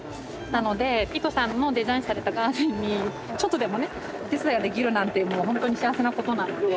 なのでピートさんのデザインされたガーデンにちょっとでもね手伝いができるなんてもうほんとに幸せなことなので。